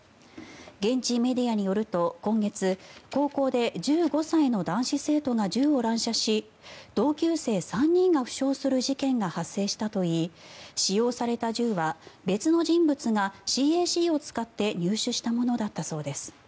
現地メディアによると今月、高校で１５歳の男子生徒が銃を乱射し同級生３人が負傷する事件が発生したといい使用された銃は別の人物がＣＡＣを使って入手したものだったそうです。